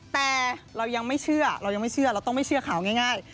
แต่เรายังไม่เชื่อเรายังไม่เชื่อเราต้องไม่เชื่อข่าวง่าย